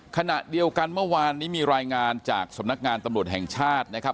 ขณะเดียวกันเมื่อวานนี้มีรายงานจากสำนักงานตำรวจแห่งชาตินะครับ